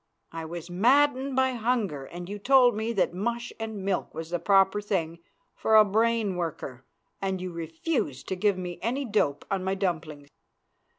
I was maddened by hunger and you told me that mush and milk was the proper thing for a brain worker, and you refused to give me any dope on my dumpling.